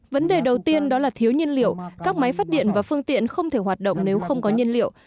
vấn đề đầu tiên đó là thiếu nhiên liệu các máy phát điện và phương tiện không thể hoạt động nếu không có nhiên liệu